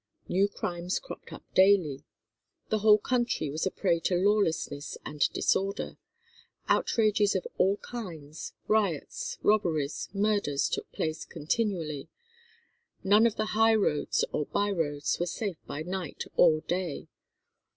New crimes cropped up daily. The whole country was a prey to lawlessness and disorder. Outrages of all kinds, riots, robberies, murders, took place continually. None of the high roads or by roads were safe by night or day.